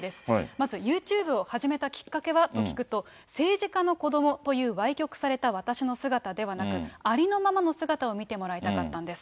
まずユーチューブを始めたきっかけは？と聞くと、政治家の子どもというわい曲された私の姿ではなく、ありのままの姿を見てもらいたかったんです。